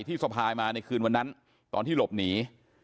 สะพายมาในคืนวันนั้นตอนที่หลบหนี